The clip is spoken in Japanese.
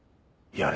やれ。